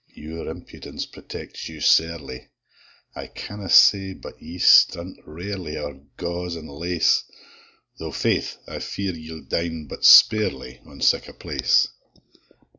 Your impudence protects you sairly; I canna say but ye strunt rarely, Owre gauze and lace; Tho', faith! I fear ye dine but sparely On sic a place.